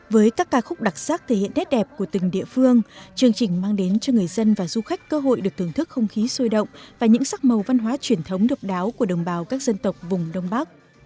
với các ca khúc đặc sắc thể hiện nét đẹp của từng địa phương chương trình mang đến cho người dân và du khách cơ hội được thưởng thức không khí sôi động và những sắc màu văn hóa truyền thống độc đáo của đồng bào các dân tộc vùng đông bắc